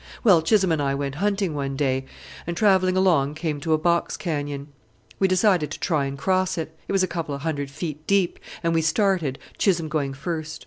Well, Chisholm and I went hunting one day, and, travelling along, came to a box canyon. We decided to try and cross it; it was a couple of hundred feet deep, and we started, Chisholm going first.